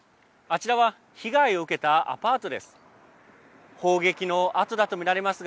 あちらは被害を受けたアパートです。